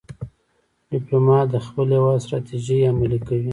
ډيپلومات د خپل هېواد ستراتیژۍ عملي کوي.